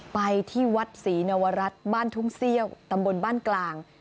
ไปที่วัดศรีนวรัฐบ้านทุ่งเซี่ยวตำบลบ้านกลาง